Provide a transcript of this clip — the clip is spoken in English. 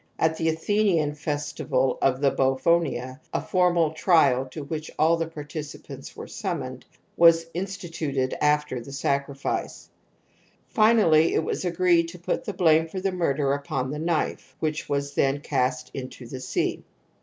At the Athenian festival of the Bouphonia a formal trial, to which all the participants were sum moned, was instituted after the sacrifice. Fin ally it was agreed to put the blame for the murder upon the knife, which was then cast into the sea.